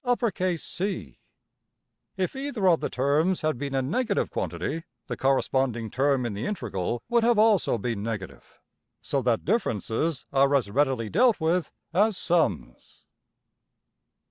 \end{align*} If either of the terms had been a negative quantity, the corresponding term in the integral would have also been negative. So that differences are as readily dealt with as sums.